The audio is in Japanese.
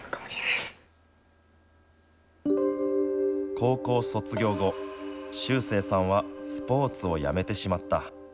高校卒業後秀星さんはスポーツをやめてしまった。